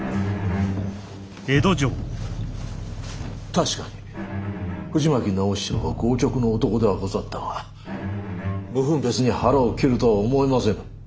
確かに藤巻直七郎は剛直な男ではござったが無分別に腹を切るとは思えませぬ。